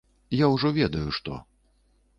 Я ўжо ведаю, што.